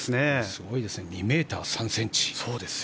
すごいですね２ｍ３ｃｍ。